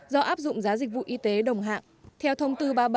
do áp dụng giá dịch vụ y tế đồng hạng